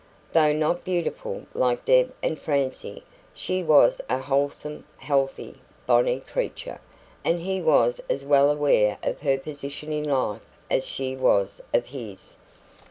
Though not beautiful, like Deb and Francie, she was a wholesome, healthy, bonnie creature, and he was as well aware of her position in life as she was of his.